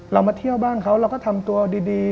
มาเที่ยวบ้านเขาเราก็ทำตัวดี